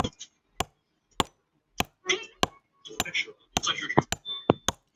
叫了一只一起吃